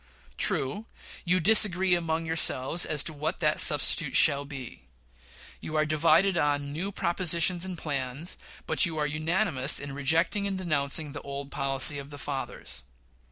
True, you disagree among yourselves as to what that substitute shall be. You are divided on new propositions and plans, but you are unanimous in rejecting and denouncing the old policy of the fathers.